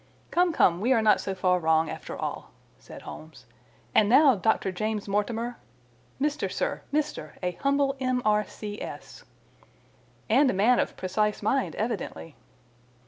"Come, come, we are not so far wrong, after all," said Holmes. "And now, Dr. James Mortimer—" "Mister, sir, Mister—a humble M.R.C.S." "And a man of precise mind, evidently."